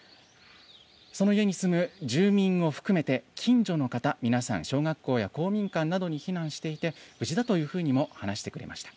その家に住む住民を含めて近所の方、皆さん、小学校や公民館などに避難していて、無事だというふうにも話してくれました。